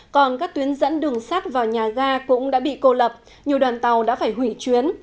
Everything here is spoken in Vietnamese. còn các tuyến dẫn đường sắt vào nhà ga cũng đã bị cô lập nhiều đoàn tàu đã phải hủy chuyến